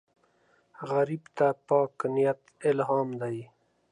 غریب ته پاک نیت الهام دی